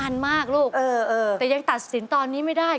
นานมากลูกแต่ยังตัดสินตอนนี้ไม่ได้